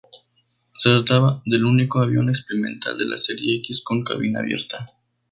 Se trataba del único avión experimental de la serie X con cabina abierta.